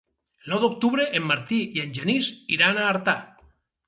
El nou d'octubre en Martí i en Genís iran a Artà.